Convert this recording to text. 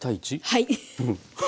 はい。